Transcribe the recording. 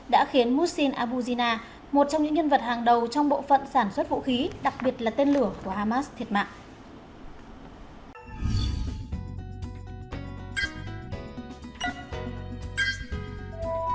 đã khiến moussin abu jinnah một trong những nhân vật hàng đầu trong bộ phận sản xuất vũ khí đặc biệt là tên lửa của hamas thiệt mạng